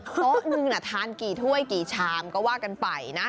โต๊ะนึงทานกี่ถ้วยกี่ชามก็ว่ากันไปนะ